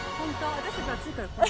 私たちは暑いからここに。